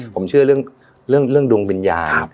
ผมเชื่อเรื่องดวงวิญญาณ